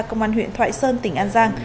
công an huyện thoại sơn tỉnh an giang